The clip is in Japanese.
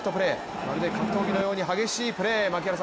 まるで格闘技のように激しいプレー、槙原さん